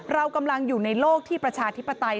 เรากำลังอยู่ในโลกที่ประชาธิปไตย